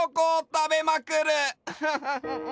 フフフフフ。